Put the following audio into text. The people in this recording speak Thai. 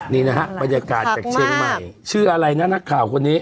นี่นะฮะบรรยากาศจากเชียงใหม่ชื่ออะไรนะนักข่าวคนนี้